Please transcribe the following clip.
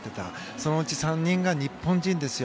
そのうち３人が日本人ですよ。